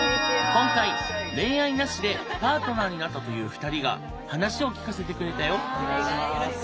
今回恋愛なしでパートナーになったという２人が話を聞かせてくれたよ。